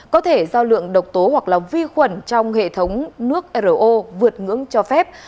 có thể do lượng độc tố hoặc là vi khuẩn trong hệ thống nước ro vượt ngưỡng cho phép